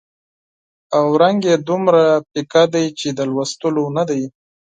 او رنګ یې دومره پیکه دی چې د لوستلو نه دی.